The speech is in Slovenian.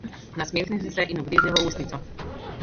Nasmehnil sem se in ugriznil v ustnico.